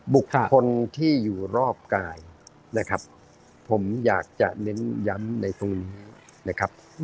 บุคคลที่อยู่รอบกายนะครับผมอยากจะเน้นย้ำในตรงนี้นะครับ